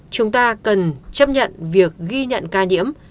chúng ta cần chấp nhận việc ghi nhận ca nhiễm